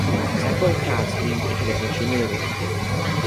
Several paths lead into the Virginia Range.